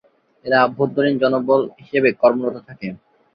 এরা অভ্যন্তরীণ জনবল হিসেবে কর্মরত থাকে।